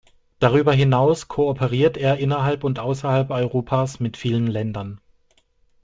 Darüber hinaus kooperiert er innerhalb und außerhalb Europas mit vielen Ländern.